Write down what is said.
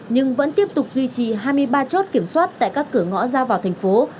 nhưng vẫn tiếp tục duy trì hai mươi ba chốt kiểm soát tại các cửa ngõ ra vào thành phố